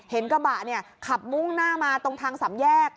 เห็นกระบะขับมุ่งหน้ามาตรงทางสำแยก